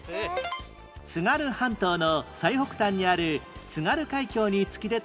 津軽半島の最北端にある津軽海峡に突き出た岬